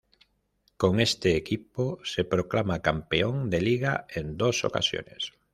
Con este equipo se proclama campeón de Liga en dos ocasiones.